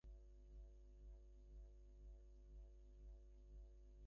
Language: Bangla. নাজিম মৃদুস্বরে বলল, স্যার, বিছানায় শুয়ে বেশ্রাম নিবেন?